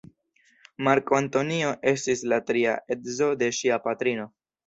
Marko Antonio estis la tria edzo de ŝia patrino.